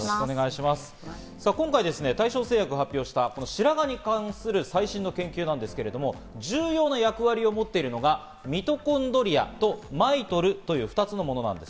大正製薬が発表した白髪に関する最新の研究なんですけど重要な役割を持っているのがミトコンドリアとＭＩＴＯＬという２つのものなんです。